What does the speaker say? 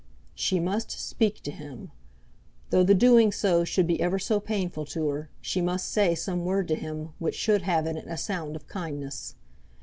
She must speak to him! Though the doing so should be ever so painful to her, she must say some word to him which should have in it a sound of kindness.